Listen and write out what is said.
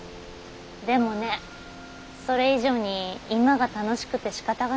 でもねそれ以上に今が楽しくてしかたがないの。